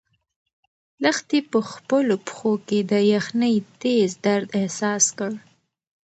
لښتې په خپلو پښو کې د یخنۍ تېز درد احساس کړ.